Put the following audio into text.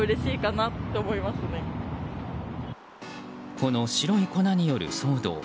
この白い粉による騒動